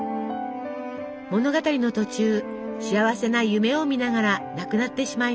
物語の途中幸せな夢を見ながら亡くなってしまいます。